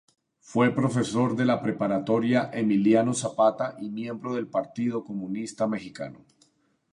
Fue profesor de la preparatoria Emiliano Zapata y miembro del Partido Comunista Mexicano.